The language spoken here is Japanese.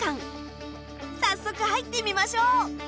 早速入ってみましょう。